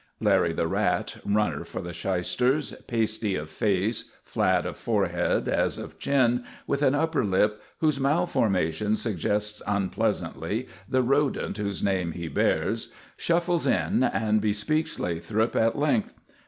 Larry the Rat, runner for the shysters, pasty of face, flat of forehead as of chin, with an upper lip whose malformation suggests unpleasantly the rodent whose name he bears, shuffles in and bespeaks Lathrop at length.